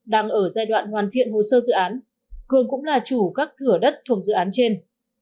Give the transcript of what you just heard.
đang ở giai đoạn hoàn thiện hồ sơ dự án cường cũng là chủ các thửa đất thuộc dự án trên